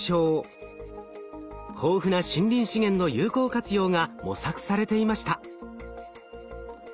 豊富な森林資源の有効活用が模索されていました。